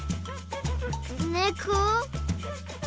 ねこ？